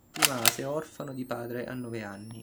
Rimase orfano di padre a nove anni.